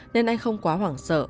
nên anh không quá hoảng sợ